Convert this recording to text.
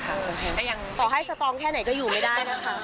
แต่อย่างพี่นิ่งต่อให้สตรองแค่ไหนก็อยู่ไม่ได้นะคะ